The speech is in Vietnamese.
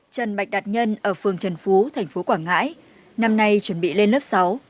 trần bạch đạt nhân ở phường trần phú tp quảng ngãi năm nay chuẩn bị lên lớp sáu